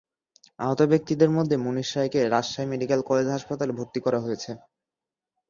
আহত ব্যক্তিদের মধ্যে মনিশ রায়কে রাজশাহী মেডিকেল কলেজ হাসপাতালে ভর্তি করা হয়েছে।